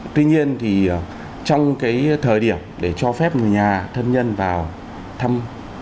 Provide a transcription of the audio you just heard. tuy nhiên thì trong cái thời điểm để cho phép người nhà thân nhân vào thăm